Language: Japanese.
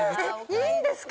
いいんですか？